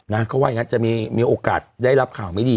นะเขาว่าอย่างนั้นจะมีโอกาสได้รับข่าวไม่ดี